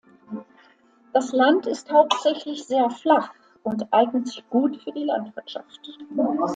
Das Land ist hauptsächlich sehr flach und eignet sich gut für die Landwirtschaft.